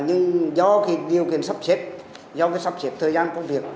nhưng do điều kiện sắp xếp do cái sắp xếp thời gian công việc